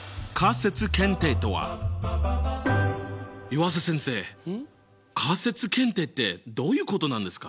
湯浅先生仮説検定ってどういうことなんですか？